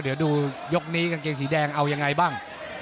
เดี๋ยวดูยกนี้กางเกงสีแดงเอายังไงบ้าง